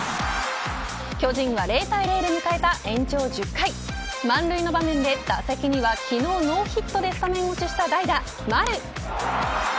巨人は０対０で迎えた延長１０回満塁の場面で打席には昨日ノーヒットでスタメン落ちした代打、丸。